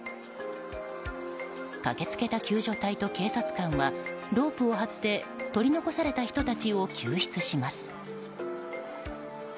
駆け付けた救助隊と警察官はロープを張って取り残された人たちを救出します。